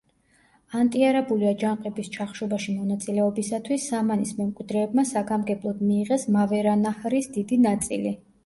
ანტიარაბული აჯანყების ჩახშობაში მონაწილეობისათვის სამანის მემკვიდრეებმა საგამგებლოდ მიიღეს მავერანაჰრის დიდი ნაწილი.